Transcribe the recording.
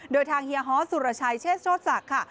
โดยทางเฮียฮอสสุรชัยเชษโชษศักดิ์ค่ะ